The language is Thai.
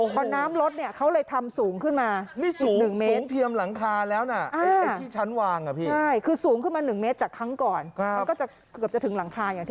พอน้ำรถเนี่ยเขาเลยทำสูงขึ้นมา